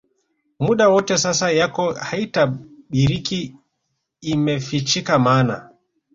muda wote sasa yako haitabiriki Imefichika maana